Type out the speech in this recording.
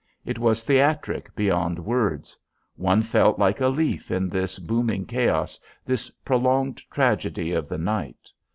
It was theatric beyond words: one felt like a leaf in this booming chaos, this prolonged tragedy of the night.